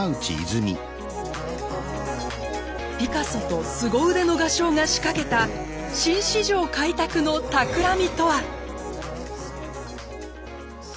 ピカソとすご腕の画商が仕掛けた新市場開拓のたくらみとは？